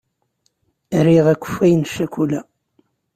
Riɣ akeffay n ccikula.